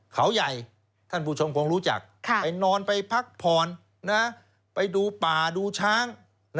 เขาใหญ่ท่านผู้ชมคงรู้จักไปนอนไปพักผ่อนไปดูป่าดูช้าง